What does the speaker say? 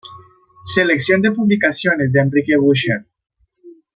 Selección de publicaciones de Enrique Bucherː